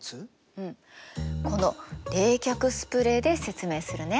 うんこの冷却スプレーで説明するね。